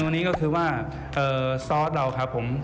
อันนี้ก็คือว่าซอสเราครับผม